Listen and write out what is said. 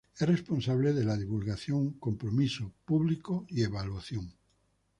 Es responsable de divulgación, compromiso público y evaluación.